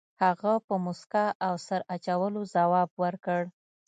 هغه په موسکا او سر اچولو ځواب ورکړ.